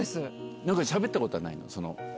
しゃべったことはないの？